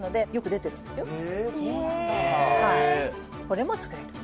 これも作れる。